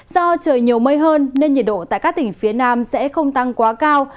do trời nhiều mây hơn nên nhiệt độ tại các tỉnh phía nam sẽ không tăng quá cao